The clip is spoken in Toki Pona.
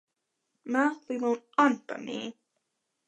ma li lon anpa mi.